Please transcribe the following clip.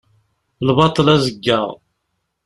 Lbaṭel azeggaɣ.